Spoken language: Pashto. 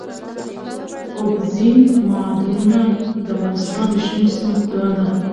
اوبزین معدنونه د افغانستان د شنو سیمو ښکلا ده.